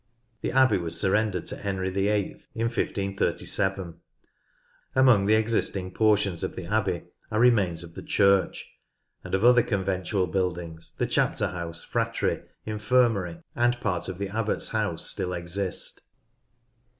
The Abbey was surrendered to Henry VIII in 1537. Among the existing portions of the Abbey are remains of the church ; and of other conventual buildings the chapter house, fratry, infirmary, and part of the Abbot's house still exist.